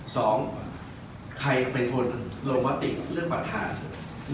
สองใครเป็นคนโดยมัตถึงเลือกประธาน